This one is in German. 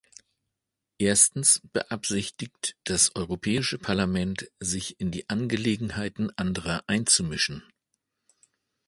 Erstens beabsichtigt das Europäische Parlament, sich in die Angelegenheiten anderer einzumischen.